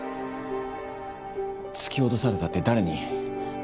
突き落とされたって誰に？